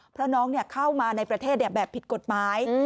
เพราะน้องเข้ามาในประเทศแบบผิดกฎหมาย